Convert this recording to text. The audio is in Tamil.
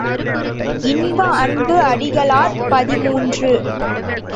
இன்ப அன்பு அடிகளார் பதிமூன்று .